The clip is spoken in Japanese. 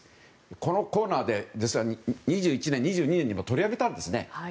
このコーナーで２０２０年、２０２１年にも取り上げたんですね。